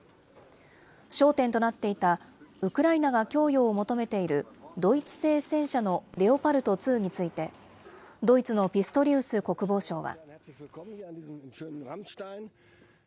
焦点となっていたウクライナが供与を求めているドイツ製戦車のレオパルト２について、ドイツのピストリウス国防相は。